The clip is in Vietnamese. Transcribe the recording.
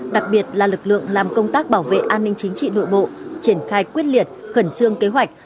đặc biệt là lực lượng làm công tác bảo vệ an ninh chính trị nội bộ triển khai quyết liệt khẩn trương kế hoạch